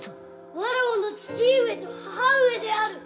わらわの父上と母上である！